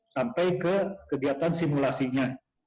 sampai ke kegiatan simulasinya